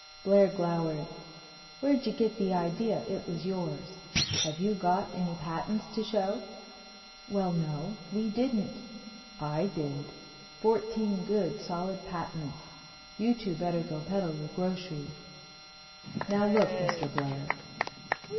Blair glowered. "Where'd you get the idea it was yours? Have you got any patents to show?" "Well, no. We didn't " "I did! Fourteen good solid patents. You two better go peddle your groceries." "Now look, Mr. Blair."